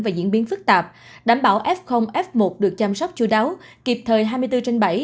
và diễn biến phức tạp đảm bảo f f một được chăm sóc chú đáo kịp thời hai mươi bốn trên bảy